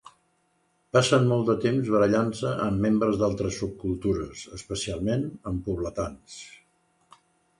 Passen molt de temps barallant-se amb membres d'altres subcultures, especialment amb pobletans.